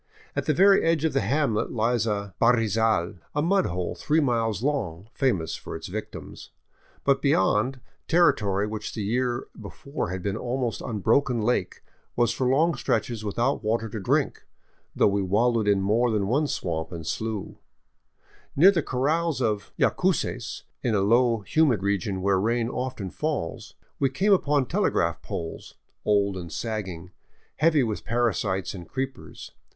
At the very edge of the hamlet lies a harrizal, a mud hole three miles long, famous for its victims. But beyond, territory which the year before had been an almost unbroken lake was for long stretches without water to drink, though we wal lowed in more than one swamp and slough. Near the corrals of Yacuces, in a low, humid region where rain often falls, we came upon telegraph poles, old and sagging, heavy with parasites and creepers.